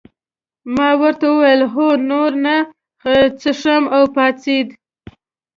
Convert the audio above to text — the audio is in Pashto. ما ورته وویل هو نور نه څښم او پاڅېد.